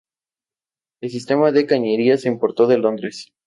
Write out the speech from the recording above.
El sistema de cañería se importó de Londres.